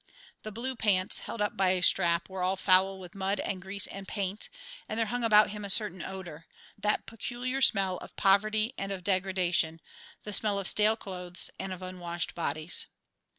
The "blue pants," held up by a strap, were all foul with mud and grease and paint, and there hung about him a certain odour, that peculiar smell of poverty and of degradation, the smell of stale clothes and of unwashed bodies.